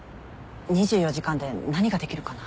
２４時間で何ができるかな？